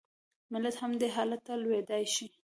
ملت هم دې حالت ته لوېدای شي.